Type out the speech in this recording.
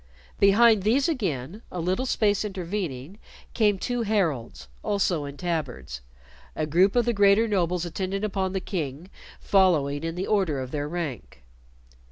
Behind these again, a little space intervening, came two heralds, also in tabards, a group of the greater nobles attendant upon the King following in the order of their rank.